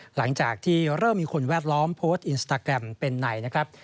หลังจากที่เริ่มมีคนแวดล้อมโพสต์อินสตาแกรมเป็นในนะครับ